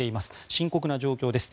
深刻な状況です。